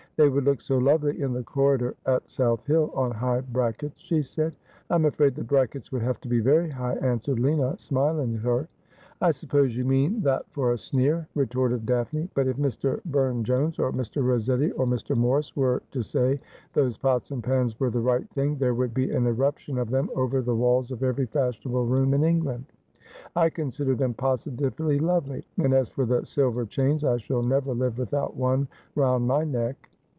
' They would look so lovely in the corridor at South Hill, on high brackets,' she said. ' I'm afraid the brackets would have to be very high,' answered Lina, smiling at her. ' I suppose you mean that for a sneer,' retorted Daphne, ' but if Mr. Burne Jones, or Mr. Rosetti, or Mr. Morris were to say those pots and pans were the right thing, there would be an eruption of them over the walls of every fashionable room in England. I consider them positively lovely. And as for the silver chains, I shall never live without one round my neck.'